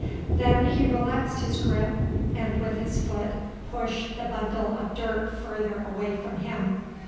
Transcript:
Then he relaxed his grip, and with his foot pushed the bundle of dirt further away from him.